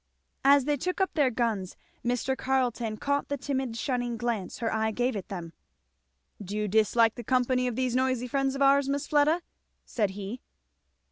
As they took up their guns Mr. Carleton caught the timid shunning glance her eye gave at them. "Do you dislike the company of these noisy friends of ours, Miss Fleda?" said he.